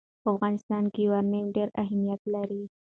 په افغانستان کې یورانیم ډېر اهمیت لري.